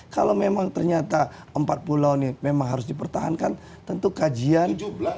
kalau memang ternyata empat pulau ini memang harus dipertahankan tentu kajian